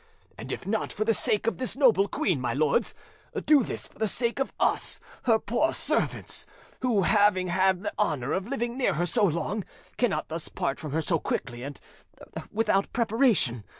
And if not for the sake of this noble queen, my lords, do this for the sake of us her poor servants, who, having had the honour of living near her so long, cannot thus part from her so quickly and without preparation.